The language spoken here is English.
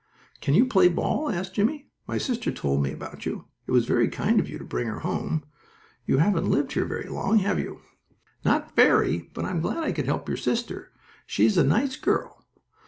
"Can you play ball?" asked Jimmie. "My sister told me about you. It was very kind of you to bring her home. You haven't lived here very long, have you?" "Not very. But I'm glad I could help your sister. She is a nice girl."